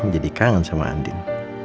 jadi kangen sama andin